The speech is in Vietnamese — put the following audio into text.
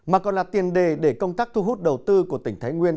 mà còn là tiền đề để công tác thu hút đầu tư của tỉnh thái nguyên